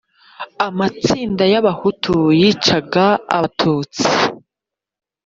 amatsinda y abahutu yicaga abatutsi